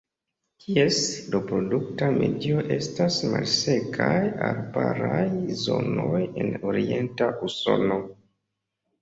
Ties reprodukta medio estas malsekaj arbaraj zonoj en orienta Usono.